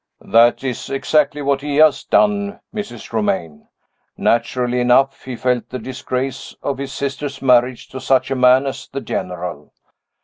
"That is exactly what he has done, Mrs. Romayne. Naturally enough, he felt the disgrace of his sister's marriage to such a man as the General.